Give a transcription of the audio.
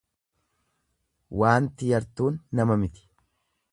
Waanti yartuun nama miti.